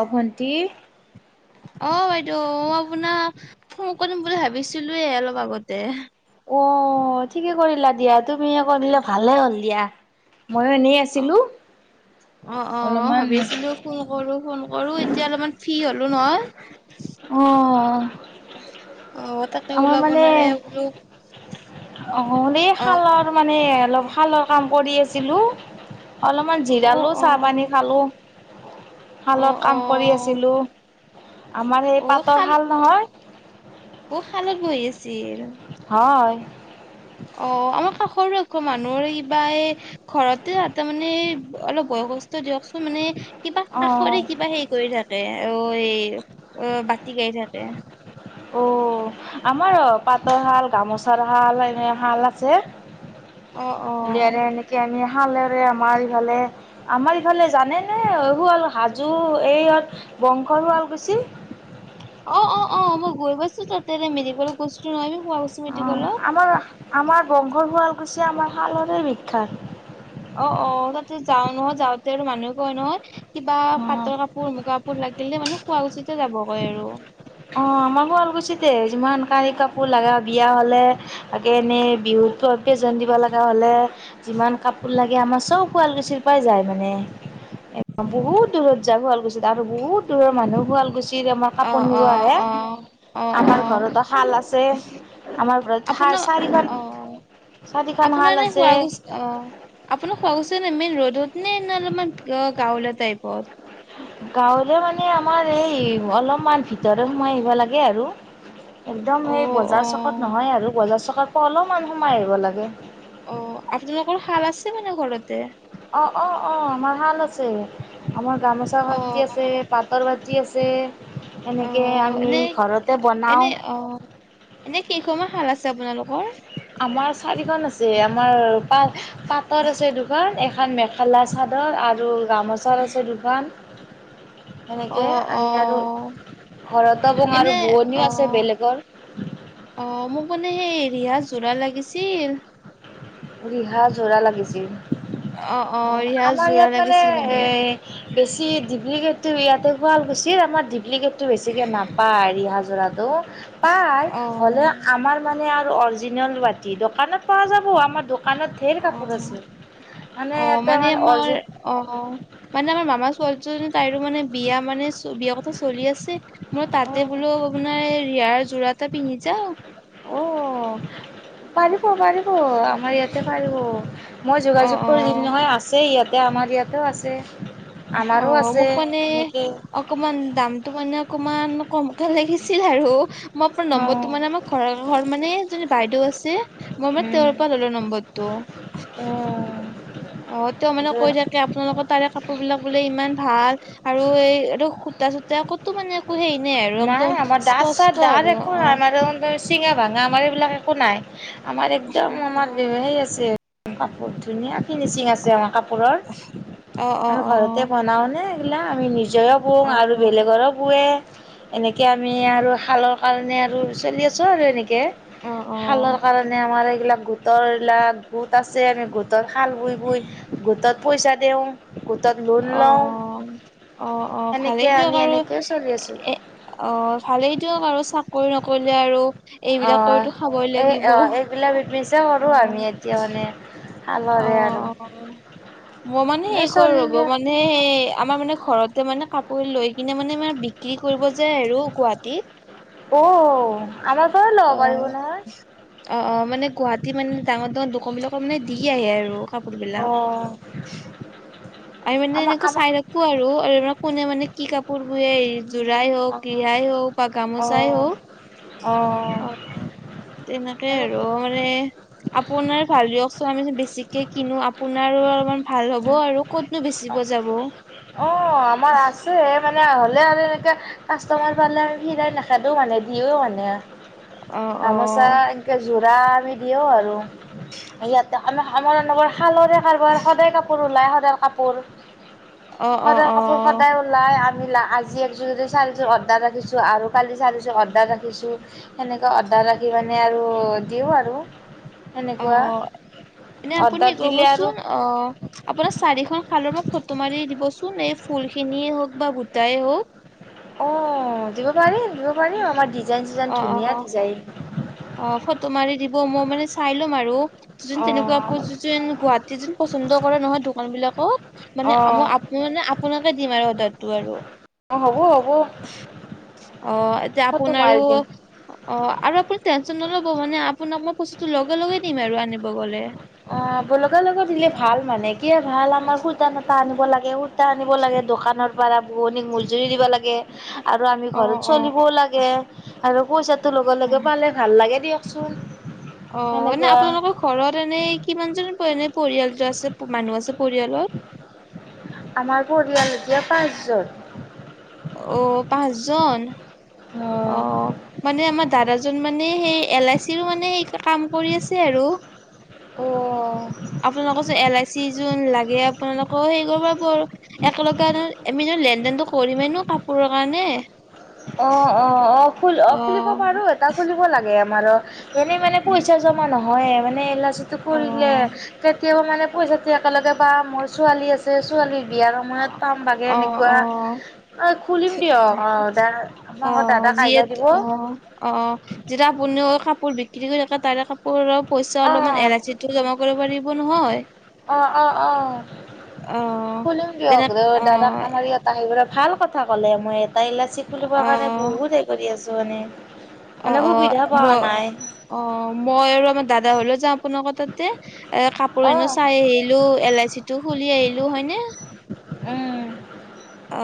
অ ভন্তি। অ বাইদেউ অ আপোনাৰ ফোন কৰিম বুলি ভাবিছিলোয়ে অলপ আগতে। অ ঠিকে কৰিলা দিয়া তুমি কৰিলে ভালে হল দিয়া। ময়ো এনেই আছিলো অ- অ - অ অলপমান ভাবিছিলো ফোন কৰো ফোন কৰো এতিয়া অলপমান ফ্ৰী হলো নহয় অ অ আহ তাতে আমাৰ ওলাব মানে নোৱাৰে বোলো। অ হলে এই অ শালৰ মানে অলপ শালৰ কাম। কৰি আছিলোঁ। অলপমান অ জিৰালো অ চাহপানী খালোঁ অ শালত অ কাম কৰি আছিলোঁ আমাৰ সেই পাতৰ শাল নহয়। বৈয়া। [unintelligible] চিল। [unintelligible] হয় অ আমাৰ কাষৰো আকৌ মানুহৰে কিবা এই ঘৰতে তাতে মানে অলপ বয়স। দিয়কচোন মানে কিবা অ কাষৰে কিবা হেৰি কৰি থাকে অ। হয়। [unintelligible] এ বাতি কাই থাকে। অ আমাৰ পাটৰ শাল। গামোচাৰ শাল এনে শাল যে। অ অ এতিয়া এনেকে আমি। শালেৰে আমাৰ ইফালে আমাৰ ইফালে জানেনে শুৱাল হাজো এইত বংশ শুৱাল কুছি। অ -অ -অ মই গৈ পাছো ততে মেডিকলত গৈছো নহয় আমি। শুৱা গৈছো অ মেডিকেলত আমাৰ - আমাৰ। বংশৰ শুৱালকুছি আমাৰ শালৰে বিখ্যাত। অ -অ তাতে যাও নহয়। যাওঁতে আৰু মানুহে কয় নহয়। কিবা অ পাটৰ কাপোৰ মুগা কাপোৰ লাগিল মানে শুৱালকুছিটে যাব। কয় আৰু। অ আমাৰ শুৱালকুছিটে যিমান কানি কাপোৰ লগা বিয়া হলে তাকে এনেই বিহুত প্ৰেজেন্ত দিব লগা হলে। যিমান কাপোৰ লাগে আমাৰ চব শুৱালকুছিৰ পৰাই যায় মানে বহুত দূৰত। শুৱালকুছিত আৰু বহু দূৰৰ মানুহো শুৱালকুছি। যায় আমাৰ অ কাপোৰ অ নিব আহে অ অ আমাৰ অ ঘৰতো শাল আছে আমাৰ ঘৰত আপোনাৰ চাৰিখন- অ চাৰিখন আপোনাৰ হাল এনে আছে। শুৱালকুছি অ আপোনাৰ শুৱালকুছি এনে মেইন ৰ'ডত নে না তোমাৰ গাঁৱলীয়া তাইপত। গাঁৱলৈ মানে আমাৰ এই অলপমান ভিতৰত সোমাই আহিব লাগে আৰু একদম অ সেই অ বজাৰ চকত নহয় আৰু বজাৰ চক তা পা অলপমান সোমাই আহিব লাগে। অ আপোনালোকৰ হাল আছে মানে ঘৰতে। অ অ অ আমাৰ শাল আছে আমাৰ গামোচা অ শক্তি আছে পাটৰ বাট ফুটি আছে অ এনেকে আমি এনে ঘৰতে বনাওঁ। ভাল আছে আপোনালোকৰ আমাৰ চাৰিখন আছে আমাৰ পা পাতৰ আছে দুখন এ মেখেলা চাদৰ আৰু গামোচা আছে দোকান। সেনেকে অ', আমি আৰু অ', শৰতো বঙ এনে আৰু বোৱনীও আছে অ', বেলেগৰ। অ', মোক মানে সেই ৰিহা যোৰা লাগিছিল। ৰিহা জোৰা লাগিছিল। অ আমাৰ ইয়াত মানে এ বেছি ডিপ্লিকেটটো ইয়াতে গাল গৈছিলিত আমাৰ ডিপ্লিকেট বেছিকে নাপায় ৰিহা। যোৰাটো। পাই অ', হ'লে আমাৰ মানে অৰিজিনেল বাাটি দোকানত পোৱা যাব আমাৰ। দোকানত ধেৰ অ কাপোৰ আছে মানে অ এটা মানে অৰজি আমাৰ অ মানে আমাৰ মামা একচুৱালি তাইৰো মানে বিয়া মানে চলি বিয়াৰ কথা চলি আছে। মই অ' তাতে বোলো আপোনাৰ এই ৰিয়াৰ যোৰা এটা পিন্ধি যাওঁ। অ' পাৰিব পাৰিব। অ আমাৰ ইয়াতে পাৰ অ মই অ', যোগাযোগ কৰি দিম অ', নহয় আছে ইয়াত। এতিয়া আমাৰ ইয়াতে আছে। অ আমাৰো আছে মোক মানে এনেকেই অকমান দামতটো মানে অকমান। কমকে লাগিছিলে আৰু মই আপোনাৰ উম নম্বৰটো মানে আমাৰ ঘৰ ঘৰ মানে য বাইদেউ আছে মই মানে তেওঁৰ পৰা ললো নম্বৰটো। অ তেওঁ মানে ত কৈ থাকে আপোনালোকৰ তাৰে ক কবিলাক বোলে ইমান ভাল আৰু এই এই সূতা চূতা কতো মানে। হেৰি আৰু নাই একদম আমাৰ দাঁ চা স্পষ্ট আৰু দৰে অ', একো অ', বাই আমাৰ চিঙা ভাঙা আমাৰ এইবিলাক একো নাই। আমাৰ একদম, আমাৰ সেই আছে অ [inaudible] বহুত ধুনীয়া ফিনিচিং আছে আমাৰ কাপোৰৰ, অ', অ', অ', আমি ঘৰতে বনাওঁনে বিলা আমি নিজ জয় অ', পুং অ', আৰু বেলেগৰো পোৱে এনেকৈ আমি আৰু খালক কাৰণে আৰু চলি আছো আৰু এনেকে কে, অ', খালৰ কাৰণে আমাৰ এইবিলাক গোটৰ বিলাক, গোট আছে, আমি গোটত খাল বই বই, গোটত পইচা দিও গোটত লোণ লও, অ', অ', অ এনেকে ভালেই দিয়ক আমি আৰু এনেকেও চলি আছো। এ অ ভালেই দিয়ক আৰু চাকৰি নকৰিলে আৰু অ, এইবিলাক কৰিতো খাবই এই লাগিব। অ এইবিলাক ই কৰো আমি এতিয়া মানে অ শালৰে আৰু অ, মই মানে এনে হে কৰো ৰ'ব চলিলে মানে সেই আমাৰ মানে ঘৰত মানে কাপোৰ লৈ কিনে মানে মই বিক্ৰী কৰিব যায় আৰু গুৱাহাটীত অ। আমাৰ পৰাও ল'ব অ পাৰিব নহয় অ অ মানে গুৱাহাটী টি, মানে ডাঙৰ ডাঙৰ দোকান বিলাকৰ মানে দি আহে আৰু। কাপোৰ বিলাক। অহ। আমি মানে এনেকে চাই নাথাকো আৰু কোনে মানে কি কাপোৰ বোঁৱে, এ যোৰাই হওক, অ ৰিহাই হওক বা অ গামোচাই হওক, অ অ তেনেকে আৰু এনেকে মানে আপোনাৰ ভাল দিয়ক আমি বেছিকে কিনো আপোনাৰো অলপমান ভাল হ'ব আৰু ক'ত অ, আমাৰ আছে মানে হলে আৰু এনেকে কাষ্টমাৰ পালে সিৰাই নাকাটোও মানে দিও মানে আৰু অ', গামোচা অ'। ইনকে যুৰা আমি দিওঁ আৰু ইয়াতে আম আমৰ খালৰে বাৰ সদায় কাপোৰ ওলাই স [inaudible] কুকুৰ অ', অ', সদায় কাপোৰ অ', সদায় ওলাই আৰু আজি একযোৰদি চাৰিযোৰ অৰ্ডাৰ ৰাখিছোঁ আৰু কালি চাৰিযোৰ অৰ্ডাৰ ৰাখিছোঁ সেনেকৈ অৰ্ডাৰ ৰাখি মানে আৰু দিওঁ আৰু অ সেনেকুৱা। এনে অৰ্ডাৰ আপুনি ৰব দিলে আৰু চোন অ আপোনাৰ চাৰিশ ফালৰ ফটো মাৰি দিবচোন এই ফুল খিনিয়ে হওক বা বোটাই হওক অ দিব পাৰি। দিব পাৰি আমাৰ ডিজাইন চিজাইন অ', ধুনীয়া অ', ডিজাইন। অ', ফটো মাৰি দিব মই মানে চাই লম আৰু। যোন তেনেকুৱা কাপোৰ গুৱাহাটী যোন পচন্দ কৰে নহয় দোকান বিলাক। কত? অ', মানে আ অ'। মানে আপোনাৰ পা দিম আৰু অদাৰ টো আৰু। অ হ'ব হ'ব। অ এতিয়া ফটো আপোনাৰো মাৰি দিম অ আৰু আপুনি টেনচন নল'ব মানে আপোনাক মই বস্তুটো লগে লগে দিম আৰু আনিব গলে। ব লগা লগত দিলে ভাল মানে। কিয় ভাল আমাৰ সূতা নটা আনিব লাগে সূতা আনিব লাগে দোকানৰ পাৰা। বোৱনিক মজদুৰি দিব লাগে আৰু আমি অ ঘৰত অ চলিবও লাগে। আৰু পইচা তো লগে অ। লগে পালে ভাল লাগে দিয়াক। চল অ এনে আপোনালোকৰ ঘৰত এনেই কিমান জন এনেই পৰিয়ালটো আছে? মানুহ আছে পৰিয়ালত? আমাৰ পৰিয়াল এতিয়া পাঁচ জন। [unintelligible] অ পাঁচজন? অ মানে আমাৰ দাদা জ জন মানে সেই এল আই চি ৰো মানে সেই কাম কৰি আছে আৰু। অ আপোনালোকৰ যে এল আই চি যোন লাগে আপোনালোকৰ হেৰি কৰিব প আৰু একেলগে আমি লেন দেনটো কৰিমেই নহ কাপোৰৰ কাৰণে। অ অ অ খু অ খুলিব পাৰো এটা খুলিব লাগে। আমাৰ এনেই মানে পইচা জমা ন হয় মানে এ যি অ। কৰিলে কেতিয়াবা মানে পইচাটো একেলগে বা মোৰ ছোৱালী আছে ছোৱালী বিয়াৰ সময়ত পাম বাগে অ এনেকুৱা অ। খুলিম দিয় অ দা অ আপোনালোকৰ দাদাক আহিব যিয়েতো দিব অ অ যেতিয়া আপুনিও কাপোৰ বিক্ৰী কৰি থাকে তাৰে কাপ পইচা অলপমান অ', এলচিটো জমা কৰিব পাৰিব নহয়? অ', অ', অ'। আহ খুলিম যে দিয়ক দাদাক আহ আমাৰ ইয়াত আহিবলৈ ভাল কথা ক'লে মই তাই ইলাচি ফুলিবৰ অ কাৰণে বহুত হে কৰি আছে [unintelligible] অ অ মই অ মই আৰু আমাৰ দাদা হলেও যাওঁ আপোন ক তাতে। এ কাপোৰ এনো অ', চাই আহিলো এল আই চিটো খুলি আহিলো। লো হয়নে? উম। অ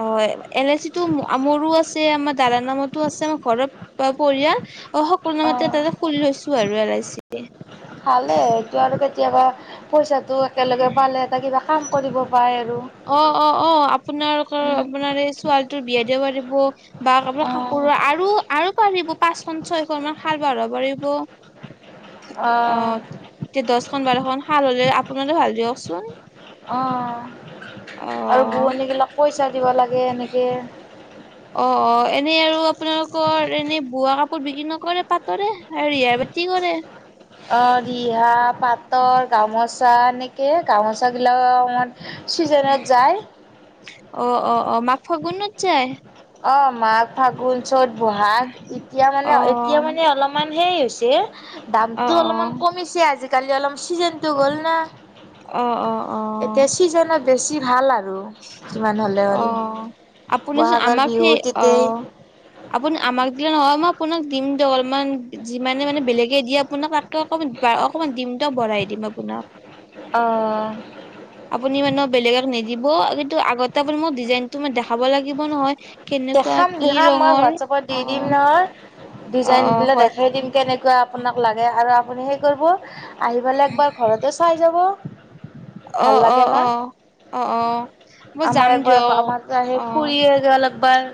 এ লাই চিটো মোৰো আছে আমাৰ দাদা নামতো আছে, আমাৰ ঘৰত পৰিয়াল অ সকলো নামতে অ'। তাতে খুলি লৈছো। আৰু এ লাই চি। ভালে এইটো আৰু কেতিয়াবা পইচাটো একেলগে পালে এটা কিবা কাম কৰিব পাৰে আৰু। অ অ অ। আপোনাৰকৰ আপোনাৰ এই ছোৱালীটোৰ বিয়া দিব পাৰিব। বা ক অঁ কাপোৰ আৰু আৰু পৰিব পাঁচখন ছয়খন মান খাল বঢাব পাৰিব। অ অঁ তে দছ খন বাৰ এখন শাল হলে আপোনালো ভাল দিয়কচোন। অ। অ আৰু বুৱনীগিলাক পইচা দিব লাগে এনেকে অ অ এনেই আৰু আপোনালোকৰ এনে বোৱা কাপোৰ বিক্ৰী নকৰে পাতৰে আৰু ইয়াৰ বাতি কৰে। অ ৰিহা পাটৰ গামোচ চা এনেকে গামোচা গিলা চিজনত যায়। অ অ অ মাক ফাগুনত যায়। অ মাক ফাগুন চ'ত বহাগ এতিয়া মানে অ এতিয়া মানে অলপমান হেই হৈছে। যে। অ দামতো অলপমান কমিছে আজি। কালি অলম চিজেন্তটো গ'ল না। আহ অ অ এতিয়া ছিজনত বেছি ভাল লাত। আৰু মানে ভালে অ আৰু আপুনিচোন বহাগৰ আমাক বিহু সেই অ তেতেই আপুন আমাক দিলে নহয়। মই আপোনাক দিম দ অলপমান যিমানে মানে বেলেগে দিয়ে আপোনাক। অকমান অকণমান দিম দ ভৰাই দিম আপোনাক। অ' আপুনি মানহ বেলেগক নিদিব। ব আজিটো আগতে মই ডিজাইনটো মই দেখাব লাগিব নহয় কেনেকুৱা দেখাম কি দেখাম মই ৰঙৰ হোৱাটছপত দি অ দিম নহয় অ ডিজাইন অ বিলাক হয় দেখাই দিম কেনেকুৱা আপোনাক লাগে আৰু আপুনি সেই কৰিব। আহি পেলাই একবাৰ ঘৰতে চাই যাব। অ ভাল অ লাগে না। অ আহ অ মই আমাৰ যাম যিয় আহ বাৰ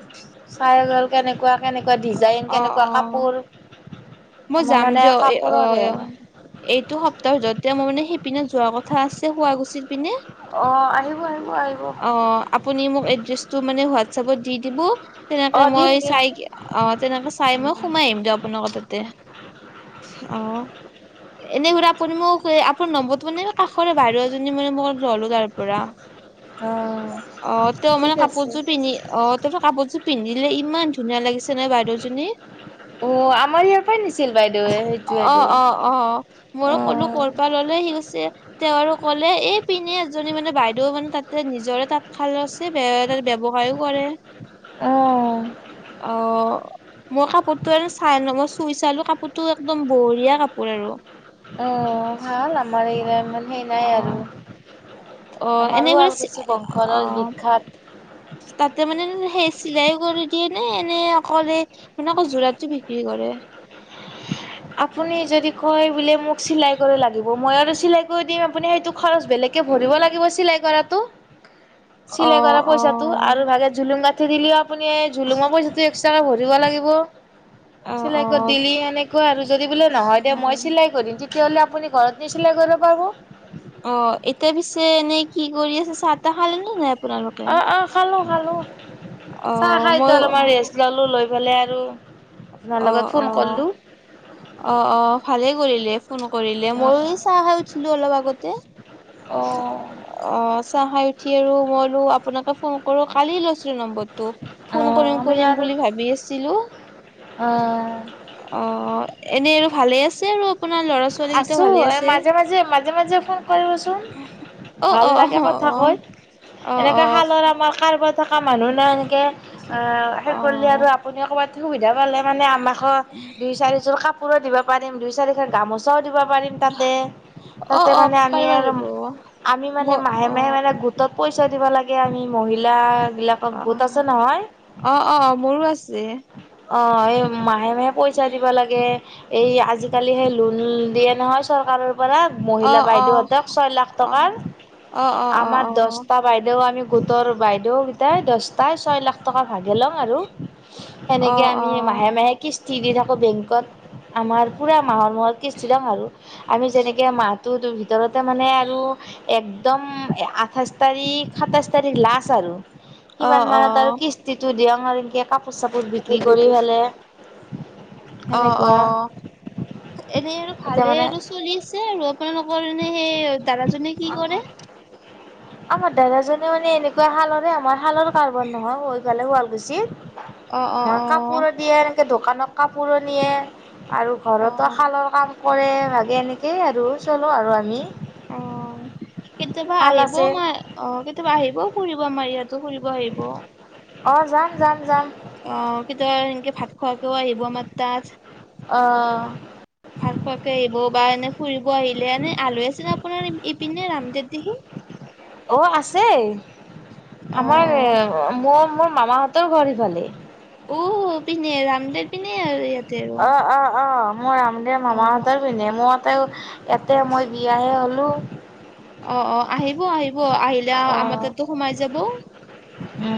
চাই গ'ল কেনেকুৱা। কেনেকুৱা ডিজাইন অ কেনেকুৱা অ কাপোৰ। মই আমাৰ যাম মানে যিয় এ অ কাপোৰৰে এইটো সপ্তাহ ভিতৰতে মই মানে সেইপিন। যোৱা কথা আছে হুৱা গুছিত। অ আহিব আৰু অ আপুনি মোক এড্ৰেছটো মানে হোৱাটছপত দি দিব তেনেকে অ' দিম মই দিম চাই অ তেনেকে চাই মই সোমাই আহিম দক আপোনালোকৰ তাতে অ। সুৰা আপুনি মোক এ আপোন নম্বটো মানে কাষৰে বাইদউ এজনী মানে মোক ল'লো তাৰ পৰা। অ'। অ তেওঁ ঠিক মানে আছে কাপোৰযোৰ পিন্ধি অ তেওঁ কাপোৰযোৰ। পিন্ধিলে ইমান ধুনীয়া লাগিছে নাই বাইদেউজনী। অ আমাৰ ইয়াৰ পৰাই নিছিল বাইদেৱে সেইটো এইটো। মই ক'লো ক'ৰ পৰা ললে সি কৈছে তেওঁ আৰু ক'লে এই পিনে এজনী মানে বাইদেউ মানে। তাতে নিজৰে তাঁতশাল ৰচী বে ব্যৱসায়ী কৰে অ অ মই কাপোৰতটো আৰু চাই ন মই চুই চালো। কাপোৰতো একদম বঢ়িয়া কাপোৰ আৰু অ ভাল আমাৰ এয়া ইমান সেই নাই আৰু অ', অ', আমাৰো এনেদৰে ৱালকুচি বংশৰ অ', বিখ্যাত। কেনে এনে অকল এ যোৰাতটো বিক্ৰী কৰে। আপুনি যদি কয় বোলে, মোক চিলাই কৰিব লাগিব মই আৰু চিলাই কৰি দিম আপুনি সেইটো খৰচ বেলেগকে ভৰিব লাগিব চিলাই কৰাতটো। চিলাই কৰা অ', পইচাটো অ', আৰু ভাগে জুলুং গাত [unintelligible] আপুনি জলোঁঘা পইচাটো একট্ৰহা কে দিব লাগিব অ', চিলাই কৰি অ', দিলি তেনেকৈ আৰু যদি বোলে নহয় দে মই চিলাই কৰিম তেতি হলে আপুনি ঘৰত নিচিলা কৰিলেও পাব। অ এতিয়া পিছে এনেই কি কৰি আছে চাহ তাহ খালে নে নাই? আপোনালোকে? অ অ খালো খালো চাহ অ', খাইতো মই অলপমান ৰেষ্ট ললো লৈ পেলাই আৰু আপোনাৰ অ লগত ফোন অ কৰিলো অ অ ভালেই কৰিলে ফোন কৰিলে অ', মইো এই চাহ খাই উঠিলো অলপ আগতে অ', অ চাহ খাই উঠি আৰু মইলো আপোনাকে ফোন কৰো কালি লৈ নম্বৰটো ফোন অ', কৰিম আমি কৰিম আৰু বুলি ভাবি আছিলো। অ। অ এনেই আৰু ভালে আছে আৰু। আপোনাৰ ল'ৰা ছোৱালী কেইটা আছো ভালে এই আছে? মাজে মাজে মাজ মাজে ফোন কৰিব চোন অ' ভাল অ' অ' লাগে কথা কৈ অ' অ' এনেকে শালৰ আমাৰ কাৰবাৰ থকা মানুহ নাই কে শেষ অ' কৰিলে আৰু আপুনি অকমান সুবিধা পালে মানে আমাক ক দুই চাৰিযোৰ কাপোৰ দিবা। পাৰি দুই চাৰিখন গামোচাও দিব পাৰিম তাতে। অ' অ' তাতে অ' মানে আমি পাৰিব আৰু লাগিব আমি মানে মোৰ মাহে মাহে অ' মানে গোটতত পইচা দিব লাগে আমি মহিলাক অ অ অ মোৰো আছে অ এম মাহে মাহে পইচা দিবা লাগে। এই আজিকালি হেই উম দিয়ে নহয় চৰকাৰৰ পৰা মহিলা অ' বাইদেউ অ' হতক ছয় লাখ অ' টকাৰ। অ' অ' অ' আমাৰ দছটা বাইদেউ আমি তৰ বাইদেউ কিটাই দহটাই ছয় লাখ টকা ভাগে লম আৰু অ' সেনেকে অ' আমি মাহে মাহে কিস্তি দি থাকো বেংকত আমাৰ পুৰা মাহৰ মত [unintelligible] আমি যেনেকে মাহটো ভিতৰতে মানে আৰু একদম এ আ- আঠাইচ তাৰিখ সাতাইছ তাৰিখ লাছ আৰু কিমান অ' মানত আৰু অ' কিস্তিটো দিয় আৰ ইংকে কাপোৰ চাপোৰ বিক্ৰী কৰি ফেলে অ' সেনেকুৱা অ' এনেই আৰু এতিয়া ভালে মানে আৰু চলি আছে আৰু আপোনাৰ নে সেই দাদাজনে কি কৰে আমাৰ দাদাজনে মানে এনেকুৱা হালৰে আমাৰ হালৰ কাৰ্বন নহয় হৈ গ'লে ৱাল অ', উচিত অ', মই কাপোৰ দিয়ে এনেকে দোকানত কাপোৰো নিয়ে আৰু অ', অ', ঘৰতো হালৰ কাম কৰে ভাগে এনেকে সেই আৰু আৰু আমি অ কেতিয়াবা শাল আহিবও আছে মাৰ অ কেতিয়াবা আহিবও ফুৰিব আমাৰ ইয়াত তু ফুৰিব আহিব অঁ যাম যাম যাম অ কিতেবা সেনেকে ভাত খোৱাকেও আহিব আমাৰ তাজ অঁ ভাতখোৱাকে আহিব বা এনে ফুৰিব আহিব লে আনে আলয় আছে নে আপোনাৰ ইপিনে ৰামদেৱ দেহি অঁ আছে আমাৰ অ', ম মোৰ মামাহঁতৰ ঘৰ ইফালে অ পিনে ৰামদেব অ অ অ মোৰ ৰামদেৱ অ', মামাহঁতৰ পিনে মইতেও ইয়াতে মই বিয়াহে হ'লো। উ অ অ আহিব আহিব আহিলে আমাৰ তাতো সোমাই যাব। উম